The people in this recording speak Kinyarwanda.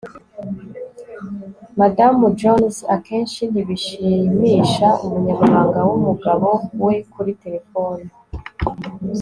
madamu jones akenshi ntibishimisha umunyamabanga wumugabo we kuri terefone